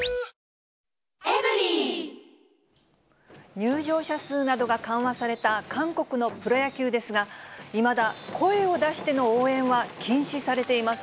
入場者数などが緩和された韓国のプロ野球ですが、いまだ声を出しての応援は禁止されています。